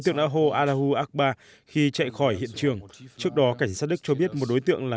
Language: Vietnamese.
tượng đã hô allahu akbar khi chạy khỏi hiện trường trước đó cảnh sát đức cho biết một đối tượng là